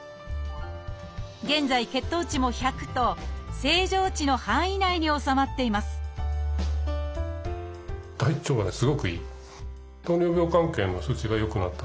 現在血糖値も１００と正常値の範囲内に収まっていますチョイス！